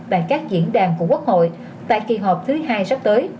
tại các diễn đàn của quốc hội tại kỳ họp thứ hai sắp tới